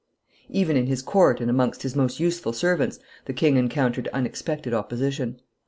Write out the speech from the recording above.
Even in his court and amongst his most useful servants the king encountered unexpected opposition.